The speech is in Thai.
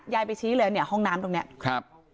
ไปชี้เลยเนี่ยห้องน้ำตรงเนี้ยครับ